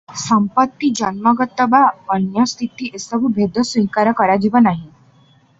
ସମ୍ପତ୍ତି, ଜନ୍ମଗତ ବା ଅନ୍ୟ ସ୍ଥିତି ଏସବୁ ଭେଦ ସ୍ୱୀକାର କରାଯିବ ନାହିଁ ।